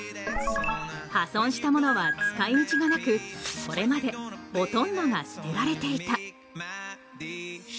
破損したものは、使い道がなくこれまで、ほとんどが捨てられていた。